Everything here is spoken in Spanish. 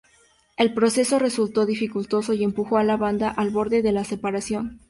El proceso resultó dificultoso y empujó a la banda al borde la separación.